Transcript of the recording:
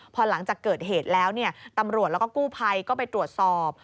พอหลังจากเกิดเหตุแล้วตำรวจแล้วก็กู้ภัยก็ไปตรวจสอบ